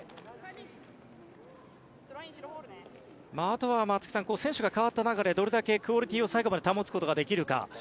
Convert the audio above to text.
あとは松木さん選手が代わった中でどれだけクオリティーを最後まで保つことができるか。